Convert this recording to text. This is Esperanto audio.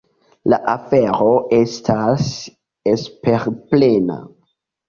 La afero estas esperplena.